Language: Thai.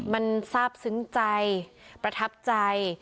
มันทราบซึ้งใจประทับใจ